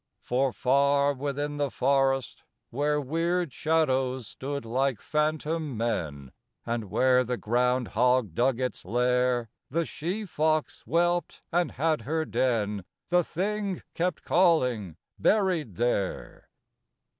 For far within the forest, where Weird shadows stood like phantom men, And where the ground hog dug its lair, The she fox whelped and had her den, The thing kept calling, buried there.